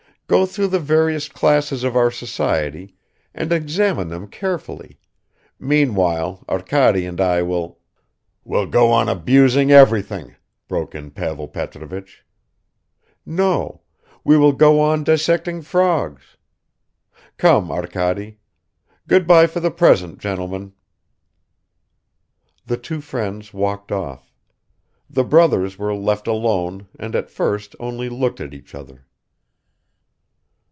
Go through the various classes of our society and examine them carefully, meanwhile Arkady and I will " "Will go on abusing everything," broke in Pavel Petrovich. "No, we will go on dissecting frogs. Come, Arkady; good by for the present, gentlemen!" The two friends walked off. The brothers were left alone and at first only looked at each other.